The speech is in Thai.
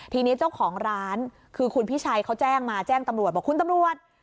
ทีนี้เจ้าของร้านคือคุณพิชัยเขาแจ้งมาแจ้งตำรวจบอกคุณตำรวจ